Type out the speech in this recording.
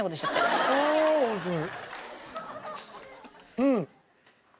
うん。